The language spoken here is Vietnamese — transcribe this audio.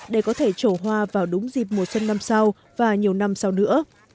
để có thể trổ hoa vào đúng dịp mùa xuân năm sau và nhiều năm sau nữa